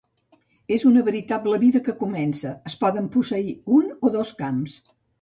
És una veritable vida que comença: es poden posseir un o dos camps.